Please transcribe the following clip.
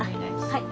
はい。